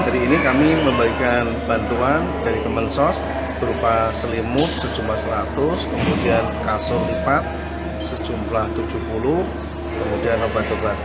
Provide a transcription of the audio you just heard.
dia masih setting tiga puluh